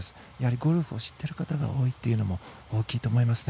ゴルフを知っている方が多いというのも大きいと思いますね。